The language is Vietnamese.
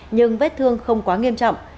nhưng vết thương không quá nghiêm trọng